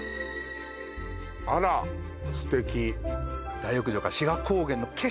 あら素敵大浴場から志賀高原の景色